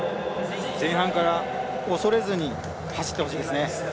前半から恐れずに走ってほしいですね。